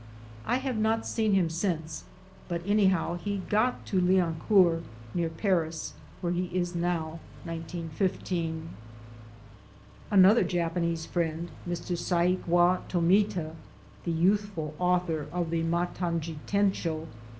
I have not seen him! since, but anyhow, he got to Lianoourt (near Paris) where he now! is '. Another Japanese friend, Mr. Saikwa Tomita, the youthful author of The Matanjitenshd.